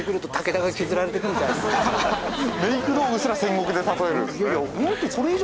メイク道具すら戦国で例えるんですね。